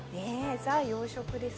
ザ・洋食です。